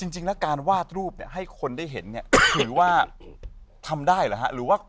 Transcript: จริงแล้วการวาดรูปให้คนได้เห็นคือว่าทำได้หรือหรือว่า